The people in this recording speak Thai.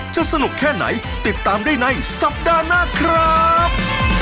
สนุกแค่ไหนติดตามได้ในสัปดาห์หน้าครับ